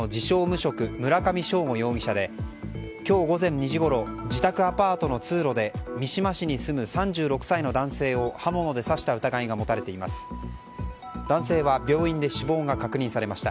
無職、村上政悟容疑者で今日午前２時ごろ自宅アパートの通路で三島市に住む３６歳の男性を刃物で刺した疑いが持たれています。